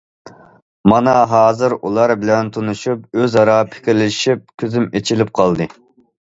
مانا ھازىر ئۇلار بىلەن تونۇشۇپ، ئۆز- ئارا پىكىرلىشىپ كۆزۈم ئېچىلىپ قالدى.